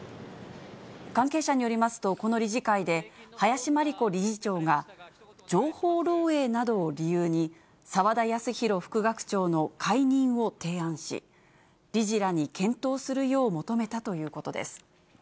関係者によりますと、この理事会で、林真理子理事長が、情報漏えいなどを理由に、澤田康広副学長の解任を提案し、理事らに検討するよう求めたということです。